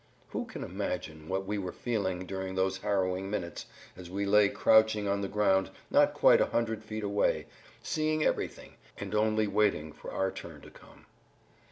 Who can imagine what we were feeling during those harrowing minutes as we lay crouching on the ground not quite a hundred feet away, seeing everything, and only waiting for our turn to come?